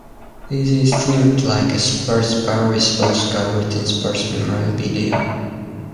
This is themed like a sports bar with walls covered in sports memorabilia.